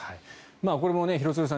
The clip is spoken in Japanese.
これも廣津留さん